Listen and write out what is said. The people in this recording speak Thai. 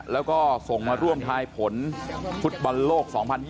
แล้วก็ส่งมาร่วมทายผลฟุตบอลโลก๒๐๒๐